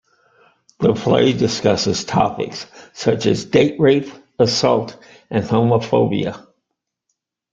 The play discusses topics such as date rape, assault, and homophobia.